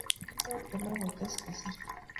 Ak komwaa ko unoto ak kotes kosiir